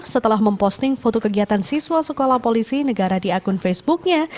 setelah memposting foto kegiatan siswa sekolah polisi negara di akun facebooknya